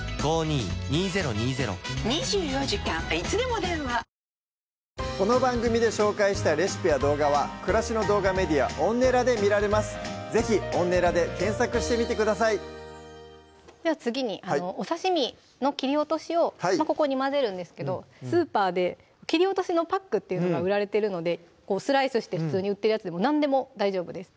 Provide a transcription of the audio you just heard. もうたれができちゃったこの番組で紹介したレシピや動画は暮らしの動画メディアＯｎｎｅｌａで見られます是非「オンネラ」で検索してみてくださいでは次にお刺身の切り落としをここに混ぜるんですけどスーパーで切り落としのパックっていうのが売られてるのでスライスして普通に売ってるやつでも何でも大丈夫です